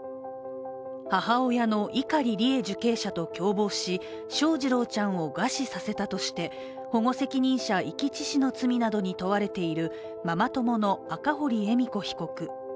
母親の碇利恵受刑者と共謀し翔士郎ちゃんを餓死させたとして保護責任者遺棄致死などの罪に問われているママ友の赤堀恵美子被告。